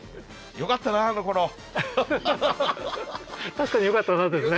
確かに「よかったな」ですね。